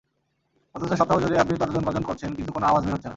অথচ, সপ্তাহজুড়ে আপনি তর্জনগর্জন করছেন, কিন্তু কোনো আওয়াজ বের হচ্ছে না।